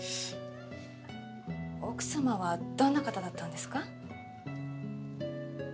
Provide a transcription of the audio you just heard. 奥様はどんな方だったんですか？